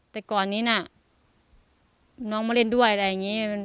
แต่ก่อนนี้น่ะน้องมาเล่นด้วยอะไรอย่างนี้